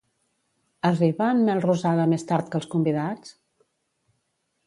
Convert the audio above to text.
Arriba en Melrosada més tard que els convidats?